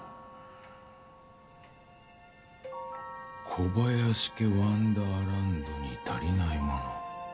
小林家ワンダーランドに足りないもの。